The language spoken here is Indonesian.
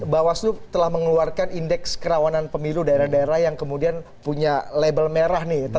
bawaslu telah mengeluarkan indeks kerawanan pemilu daerah daerah yang kemudian punya label merah nih